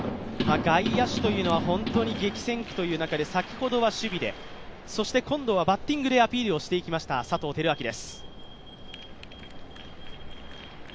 外野手というのは本当に激戦区という中で、先ほどは守備で、そして今度はバッティングでアピールをしていきました佐藤輝明です。